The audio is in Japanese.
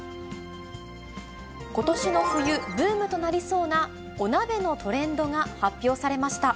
ことしの冬、ブームとなりそうなお鍋のトレンドが発表されました。